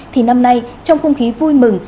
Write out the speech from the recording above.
thì năm nay trong không khí vui mừng